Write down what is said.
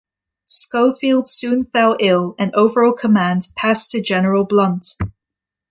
Schofield soon fell ill and overall command passed to General Blunt.